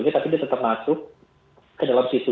tapi dia tetap masuk ke dalam situ